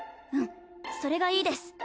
うんそれがいいです。